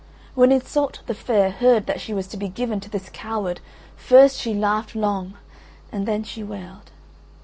When Iseult the Fair heard that she was to be given to this coward first she laughed long, and then she wailed.